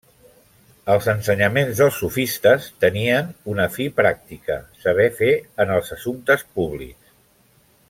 Els ensenyaments dels sofistes tenien una fi pràctica, saber fer en els assumptes públics.